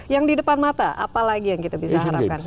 yang di depan mata apalagi yang kita bisa harapkan